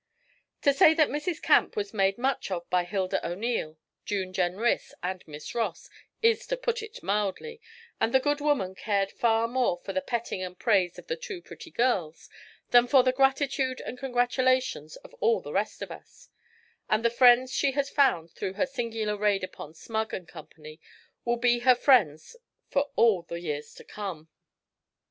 To say that Mrs. Camp was made much of by Hilda O'Neil, June Jenrys, and Miss Ross is to put it mildly, and the good woman cared far more for the petting and praise of the two pretty girls than for the gratitude and congratulations of all the rest of us; and the friends she has found through her singular raid upon Smug and company will be her friends for all the years to come.